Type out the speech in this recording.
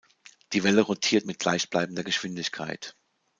Die Welle rotiert mit gleichbleibender Geschwindigkeit.